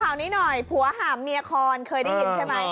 ข่าวนี้หน่อยผัวหามเมียคอนเคยได้ยินใช่ไหม